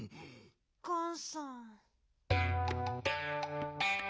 ガンさん。